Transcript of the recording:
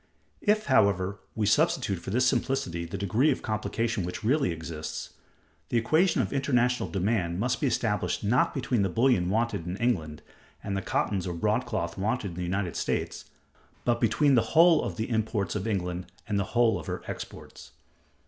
If, however, we substitute for this simplicity the degree of complication which really exists, the equation of international demand must be established not between the bullion wanted in England and the cottons or broadcloth wanted in the United States, but between the whole of the imports of England and the whole of her exports.